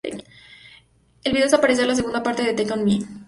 El vídeo es al parecer la segunda parte de "Take On Me".